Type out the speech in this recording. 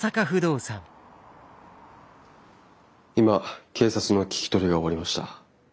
今警察の聞き取りが終わりました。